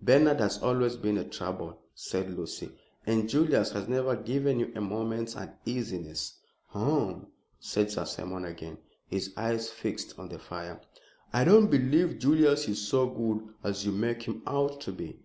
"Bernard has always been a trouble," said Lucy, "and Julius has never given you a moment's uneasiness." "Hum," said Sir Simon again, his eyes fixed on the fire. "I don't believe Julius is so good as you make him out to be.